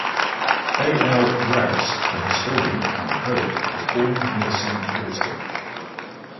A. L. Rowse, the historian and poet, was born near Saint Austell.